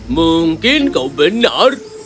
mungkin kau benar